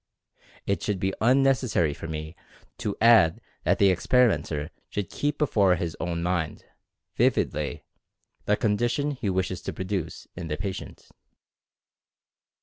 It should be un necessary for me to add that the experimenter should keep before his own mind, vividly, the condition he wishes to produce in the patient.